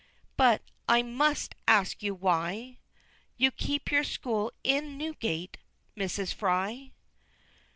But I must ask you why You keep your school in Newgate, Mrs. Fry?